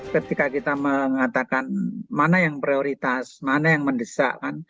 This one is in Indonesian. ketika kita mengatakan mana yang prioritas mana yang mendesak